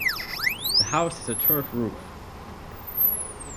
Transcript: The house has a turf roof.